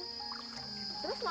terus mauna mandinya dimana